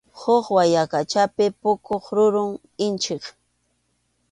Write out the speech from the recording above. Huk wayaqachapi puquq rurum inchik.